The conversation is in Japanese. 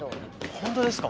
本当ですか？